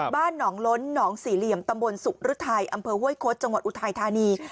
บ้านหนองล้นหนองสี่เหลี่ยมตำบลสุรุทัยอำเภอห้วยคดจังหวัดอุทัยธานี